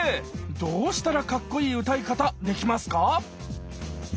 どうしたらカッコイイ歌い方できますか？